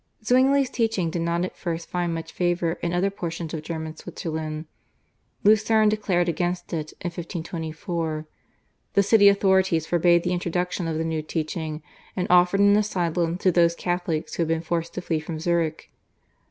Zwingli's teaching did not at first find much favour in other portions of German Switzerland. Lucerne declared against it in 1524. The city authorities forbade the introduction of the new teaching, and offered an asylum to those Catholics who had been forced to flee from Zurich.